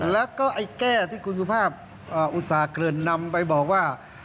แล้วก็ไอ้แก้ที่คุณสุภาพอุตส่าห์เกริ่นนำไปบอกว่า